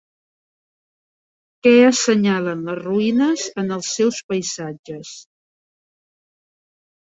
Què assenyalen les ruïnes en els seus paisatges?